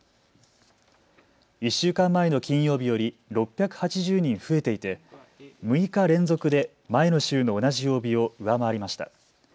１週間前の金曜日より６８０人増えていて６日連続で前の週の同じ曜日を上回りました。